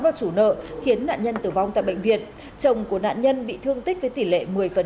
vào chủ nợ khiến nạn nhân tử vong tại bệnh viện chồng của nạn nhân bị thương tích với tỷ lệ một mươi